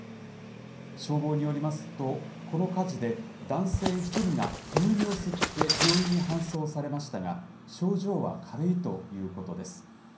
消防によりますと、この火事で男性１人が煙を吸って病院に搬送されましたが、症状は軽いということです。